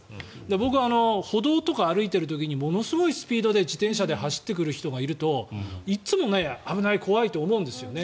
僕は、歩道とか歩いてる時にものすごいスピードで自転車で走ってくる人がいるといつも危ない、怖いと思うんですよね。